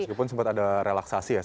itu pun sempat ada relaksasi ya